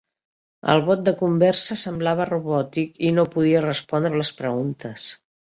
El bot de conversa semblava robòtic i no podia respondre les preguntes.